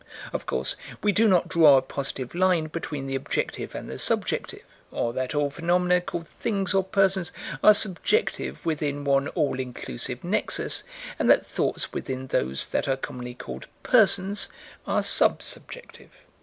Of course we do not draw a positive line between the objective and the subjective or that all phenomena called things or persons are subjective within one all inclusive nexus, and that thoughts within those that are commonly called "persons" are sub subjective.